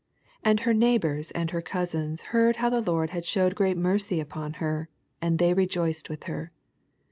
58 And her neighbors and her cousins heard how the Lord had shewed ffreat mercy upon her; and they rejoiced with her.